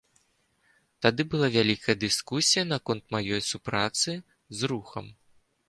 Тады была вялікая дыскусія наконт маёй супрацы з рухам.